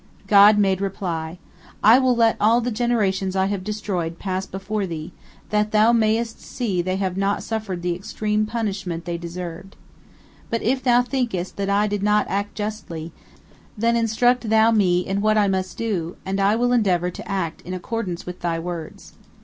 '" God made reply: "I will let all the generations I have destroyed pass before thee, that thou mayest see they have not suffered the extreme punishment they deserved. But if thou thinkest that I did not act justly, then instruct thou Me in what I must do, and I will endeavor to act in accordance with thy words."